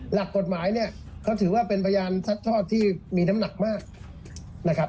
หลักกฎหมายเนี่ยเขาถือว่าเป็นพยานซัดทอดที่มีน้ำหนักมากนะครับ